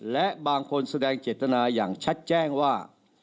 และบางคนแสดงเจตนาอย่างชัดแจ้งว่า